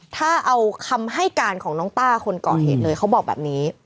ถ้าเอาคำให้การของน้องต้าคนก่อเหตุเลยเขาบอกแบบนี้